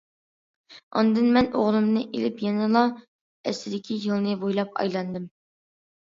ئاندىن مەن ئوغلۇمنى ئېلىپ، يەنىلا ئەسلىدىكى يولنى بويلاپ ئايلاندىم.